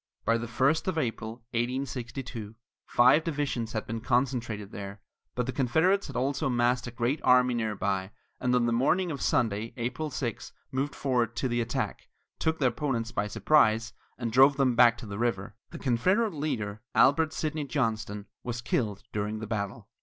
By the first of April, 1862, five divisions had been concentrated there, but the Confederates had also massed a great army near by, and on the morning of Sunday, April 6, moved forward to the attack, took their opponents by surprise, and drove them back to the river. The Confederate leader, Albert Sidney Johnston, was killed during the battle.